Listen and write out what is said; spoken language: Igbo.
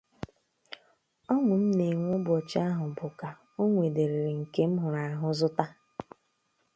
Ọñụ m na-enwe ụbọchị ahụ bụ 'Ka o nwedịrịrị nke m hụrụ ahụ zụta'